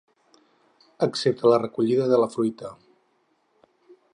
Excepte la recollida de la fruita.